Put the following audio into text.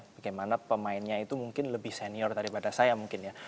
bagaimana pemainnya itu mungkin lebih senior daripada saya mungkin ya